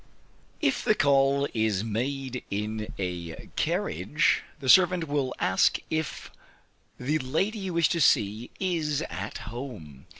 If the call is made in a carriage, the servant will ask if the lady you wish to see is at home.